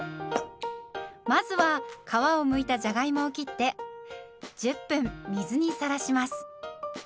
まずは皮をむいたじゃがいもを切って１０分水にさらします。